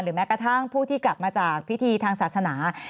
แม้กระทั่งผู้ที่กลับมาจากพิธีทางศาสนา